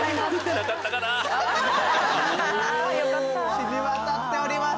染み渡っております。